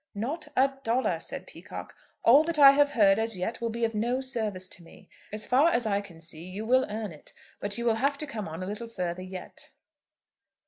"Not a dollar," said Peacocke. "All that I have heard as yet will be of no service to me. As far as I can see, you will earn it; but you will have to come on a little further yet."